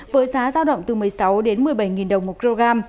với giá giao động từ một mươi sáu đến một mươi bảy đồng một kg